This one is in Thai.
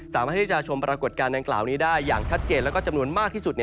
สามารถที่จะชมปรากฏการณ์ดังกล่าวนี้ได้อย่างชัดเจนแล้วก็จำนวนมากที่สุด